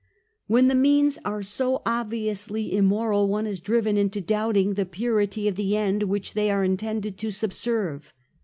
When the means are so obviously immoral, one is driven into doubting the purity of the end which they are intended to subserve.